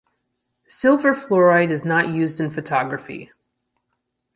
Silver fluoride is not used in photography.